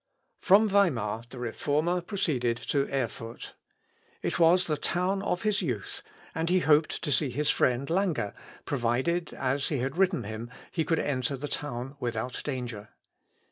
From Weimar the Reformer proceeded to Erfurt. It was the town of his youth, and he hoped to see his friend Lange, provided, as he had written him, he could enter the town without danger.